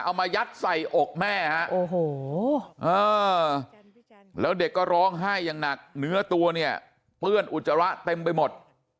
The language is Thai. เอามายัดใส่อกแม่ฮะโอ้โหแล้วเด็กก็ร้องไห้อย่างหนักเนื้อตัวเนี่ยเปื้อนอุจจาระเต็มไปหมด